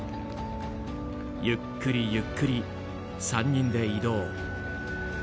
ゆっくりゆっくり、３人で移動。